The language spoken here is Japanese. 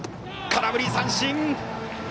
空振り三振。